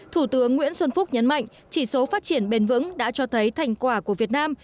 thủ tướng nguyễn xuân phúc nhấn mạnh chỉ số phát triển bền vững đã cho thấy thành quả của việt nam